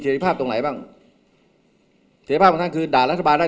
เศรษฐภาพตรงไหนบ้างเศรษฐภาพคือด่ารัฐบาลได้